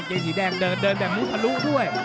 เกมสีแดงเดินแบ่งมูธรุด้วย